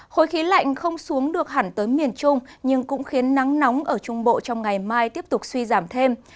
khối khí lạnh không xuống được hẳn tới miền trung nhưng cũng khiến nắng nóng ở trung bộ trong ngày mai tiếp tục suy giảm thêm